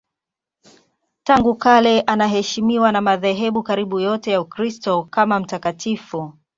Tangu kale anaheshimiwa na madhehebu karibu yote ya Ukristo kama mtakatifu.